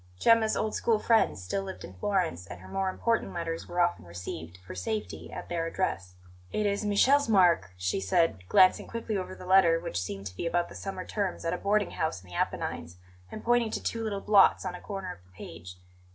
Gemma's old school friends still lived in Florence, and her more important letters were often received, for safety, at their address. "It is Michele's mark," she said, glancing quickly over the letter, which seemed to be about the summer terms at a boarding house in the Apennines, and pointing to two little blots on a corner of the page.